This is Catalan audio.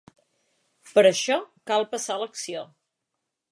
Per això cal passar a l’acció.